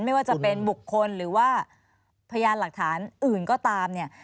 ไม่ว่าจะเป็นบุคคลหรือว่าพยานหลักฐานอื่นก็ตามเนี่ย